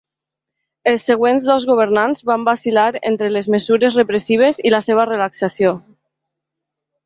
Els següents dos governants van vacil·lar entre les mesures repressives i la seva relaxació.